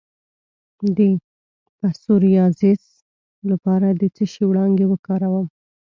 د پسوریازیس لپاره د څه شي وړانګې وکاروم؟